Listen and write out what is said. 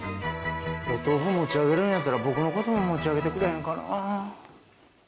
お豆腐持ち上げるんやったら僕のことも持ち上げてくれへんかな。